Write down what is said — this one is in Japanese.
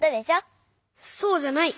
そうじゃない！